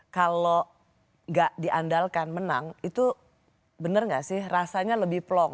kalau gak diandalkan menang itu bener gak sih rasanya lebih plong